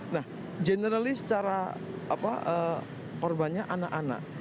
nah generaly secara korbannya anak anak